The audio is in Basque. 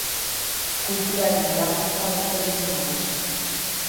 Kulturaren hedakuntza dute helburu nagusi.